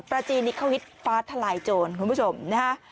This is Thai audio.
ปลาจีนนิขวิทธิ์ฟ้าทลายโจรคุณผู้ชมนะฮะ